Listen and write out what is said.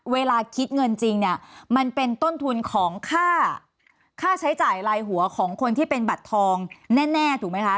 เวลาคิดเงินจริงเนี่ยมันเป็นต้นทุนของค่าใช้จ่ายลายหัวของคนที่เป็นบัตรทองแน่ถูกไหมคะ